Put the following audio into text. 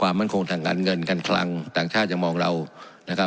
มั่นคงทางการเงินการคลังต่างชาติยังมองเรานะครับ